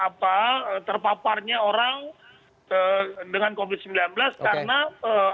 kita harus mengikuti komite nya komite nya dan juga komite nya itu tidak bisa dikaitkan dengan covid sembilan belas